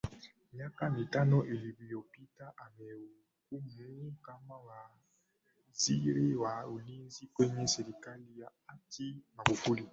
Miaka mitano iliyopita amehudumu kama Waziri wa Ulinzi kwenye serikali ya hayati Magufuli